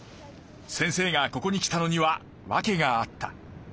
先生がここに来たのにはわけがあった。